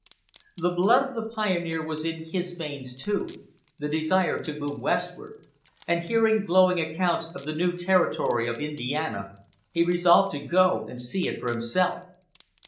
The blood of the pioneer was in his veins too the desire to move westward; and hearing glowing accounts of the new territory of Indiana, he resolved to go and see it for himself.